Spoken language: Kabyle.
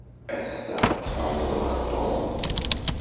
Ass-a, ad ẓreɣ Tom.